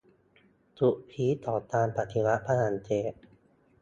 จุดพีคของการปฏิวัติฝรั่งเศส